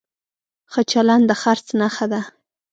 ښه چلند د خرڅ نښه ده.